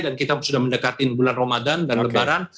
dan kita sudah mendekatin bulan ramadan dan lebaran